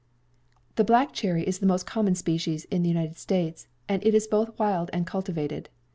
The black cherry is the most common species in the United States, and is both wild and cultivated.